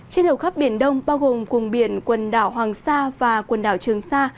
trên hầu khắp biển đông bao gồm vùng biển quần đảo hoàng sa và quần đảo trường sa